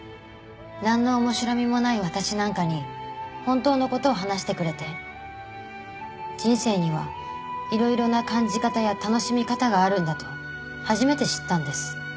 なんの面白みもない私なんかに本当の事を話してくれて人生にはいろいろな感じ方や楽しみ方があるんだと初めて知ったんです。